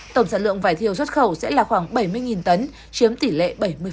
tổng sản lượng vải thiều xuất khẩu sẽ là khoảng bảy mươi tấn chiếm tỷ lệ bảy mươi